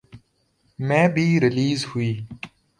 میں بھی ریلیز ہوئی